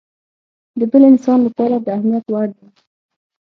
د بل انسان لپاره د اهميت وړ دی.